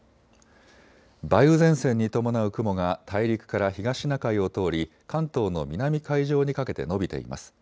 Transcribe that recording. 梅雨前線に伴う雲が大陸から東シナ海を通り関東の南海上にかけて延びています。